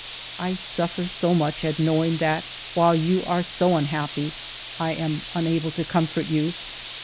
I suf fer so much at knowing that while you are so un happy, I am unable to comfort you.